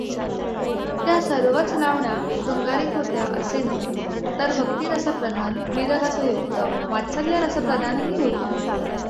त्या सर्वच लावण्या शृंगारिक होत्या, असे नव्हे तर भक्तीरसप्रधान, वीररसयुक्त, वात्सल्यरसप्रधानही होत्या.